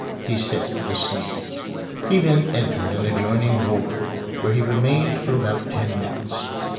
he said with a sneer. He then entered an adjoining ward, where he remained for about ten minutes.